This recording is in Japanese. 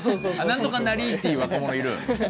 「何とかなり」っていう若者いる？